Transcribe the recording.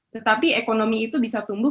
tetapi ekonomi itu bisa tumbuh